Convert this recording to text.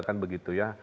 kan begitu ya